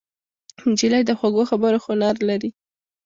نجلۍ د خوږو خبرو هنر لري.